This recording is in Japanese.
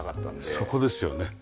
そこですよね。